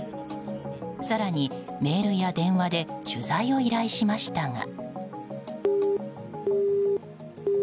更にメールや電話で取材を依頼しましたが。